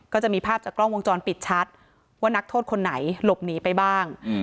ก็จะมีภาพจากกล้องวงจรปิดชัดว่านักโทษคนไหนหลบหนีไปบ้าง